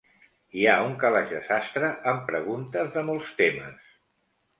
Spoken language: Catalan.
Hi ha un calaix de sastre amb preguntes de molts temes.